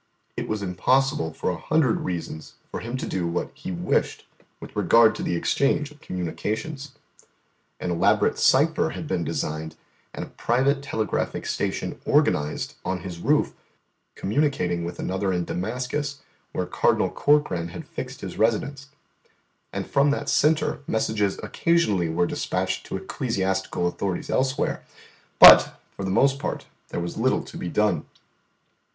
It was impossible for a hundred reasons for Him to do what He wished with regard to the exchange of communications. An elaborate cypher had been designed, and a private telegraphic station organised on His roof communicating with another in Damascus where Cardinal Corkran had fixed his residence; and from that centre messages occasionally were despatched to ecclesiastical authorities elsewhere; but, for the most part, there was little to be done.